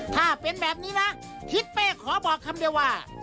ถ้าเป็นแบบนี้นะทิศเป้ขอบอกคำเดียวว่า